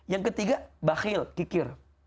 yang ketiga bakhil kikir